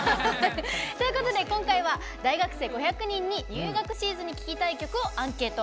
今回は大学生５００人に入学シーズンに聴きたい曲をアンケート。